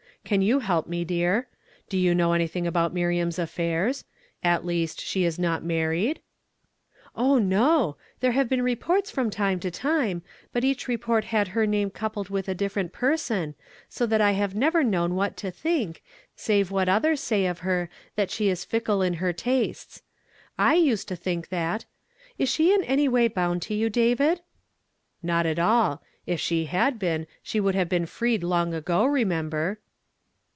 Can you help me, dear? Do you know anything about Miriam's affairs? At least she is not married?" " Oh, no I there have been reports from time to time ; but each report had her name coupled with a ditferent person, so that I have never known what to think, save Avhat others say of her: that she is fickle in her tastes. I used to tlnnk that — Is she in any way bound to you, David? "" Not at all. If she had been, she would have been freed long ago, remember."